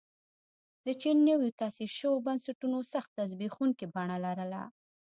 د چین نویو تاسیس شویو بنسټونو سخته زبېښونکې بڼه لرله.